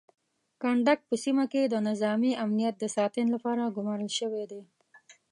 کنډک په سیمه کې د نظامي امنیت د ساتنې لپاره ګمارل شوی دی.